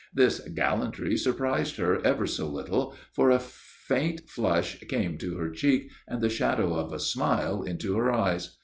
This gallantry surprised her ever so little, for a faint flush came into her cheek and the shadow of a smile into her eyes.